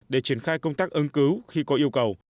để triển khai công tác ứng cứu khi có yêu cầu